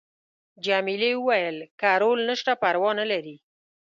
جميلې وويل:: که رول نشته پروا نه لري.